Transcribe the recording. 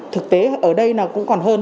thực tế ở đây là cũng còn hơn